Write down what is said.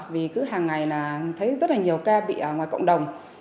vì cứ hàng ngày là thấy rất là nhiều ca bị ngoài cộng đồng